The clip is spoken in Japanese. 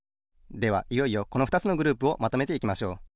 ではいよいよこのふたつのグループをまとめていきましょう。